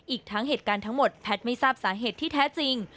อีกทั้งเหตุการณ์ทั้งหมดแพทย์ไม่ทราบสาเหตุที่แท้จริง